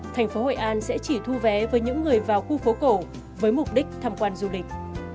thành phố hội an sẽ chỉ thu vé với những người vào khu phố cổ với mục đích tham quan du lịch